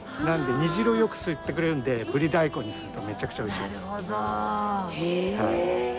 なので煮汁をよく吸ってくれるのでブリ大根にするとめちゃくちゃ美味しいです。